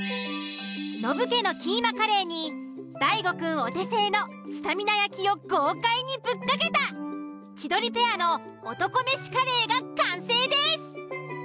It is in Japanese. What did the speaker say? ノブ家のキーマカレーに大悟くんお手製のスタミナ焼きを豪快にぶっかけた千鳥ペアの男飯カレーが完成です！